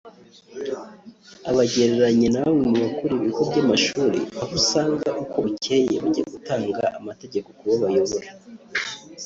abagereranya na bamwe bakuriye ibigo by’amashuri aho usanga uko bucyeye bajya gutanga amategeko ku bo bayobora